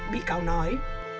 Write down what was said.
bị cáo nói